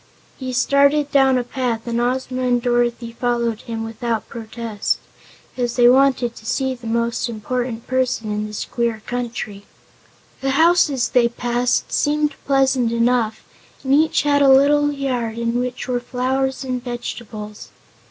He started down a path and Ozma and Dorothy followed him without protest, as they wanted to see the most important person in this queer country. The houses they passed seemed pleasant enough and each had a little yard in which were flowers and vegetables.